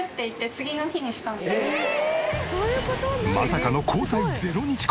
まさかの交際０日婚！